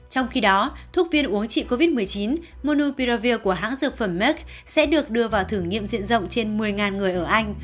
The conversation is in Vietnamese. trong khi đó thuốc viên uống trị covid một mươi chín monupiravir của hãng dược phẩm mark sẽ được đưa vào thử nghiệm diện rộng trên một mươi người ở anh